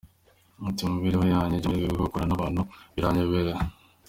Ati ‘‘Mu mibereho yanjye ngira amahirwe kuko gukorana n’abantu biranyorohera.